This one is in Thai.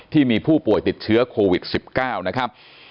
ที่มีผู้ป่วยติดเชื้อโควิด๑๙นะครับ